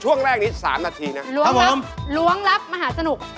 ช่วงแรกนี้๓นาทีนะครับผมล้วงรับล้วงรับมหาสนุก